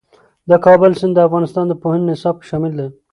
د کابل سیند د افغانستان د پوهنې نصاب کې شامل دي.